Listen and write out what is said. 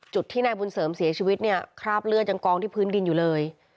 จุดที่นายบุญเสริมเสียชีวิตเนี่ยคราบเลือดยังกองที่พื้นดินอยู่เลย